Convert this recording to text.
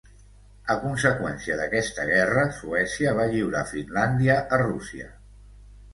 A conseqüència d'aquesta guerra, Suècia va lliurar Finlàndia a Rússia.